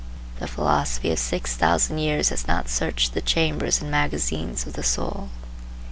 The philosophy of six thousand years has not searched the chambers and magazines of the soul.